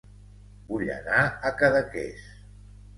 Vull anar a Cadaqués